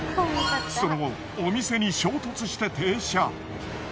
その後お店に衝突して停車。